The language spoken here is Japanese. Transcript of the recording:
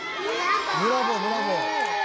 ブラボーブラボー。